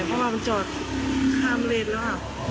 เพราะว่ามันจอดทางเล็นแล้วค่ะ